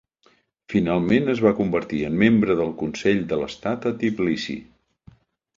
Finalment es va convertir en membre del Consell de l'Estat a Tbilisi.